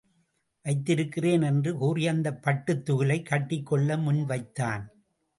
வைத்திருக்கிறேன் என்று கூறி அந்தப் பட்டுத் துகிலைக் கட்டிக்கொள்ள முன் வைத்தான்.